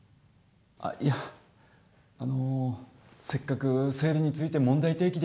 あっいや、あのせっかく生理について問題提起できる。